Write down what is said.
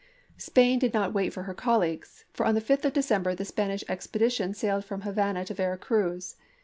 Spain did not wait for her colleagues, for on the 5th of December the Spanish expedition isei. sailed from Havana to Vera Cruz.